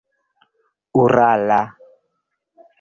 urala